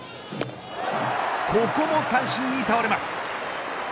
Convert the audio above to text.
ここも三振に倒れます。